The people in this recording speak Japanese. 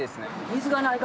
水がない？